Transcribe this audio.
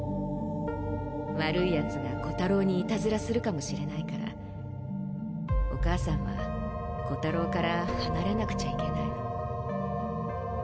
悪い奴が弧太郎にいたずらするかもしれないからお母さんは弧太郎から離れなくちゃいけないの。